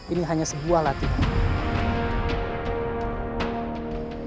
ini hanya sebuah latihan